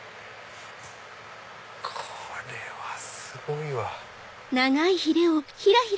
これはすごいわ。